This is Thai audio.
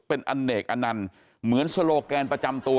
เป็นอเนกอันนันต์เหมือนโซโลแกนประจำตัว